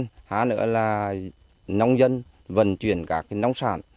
hai nữa là nông dân vận chuyển các nông sản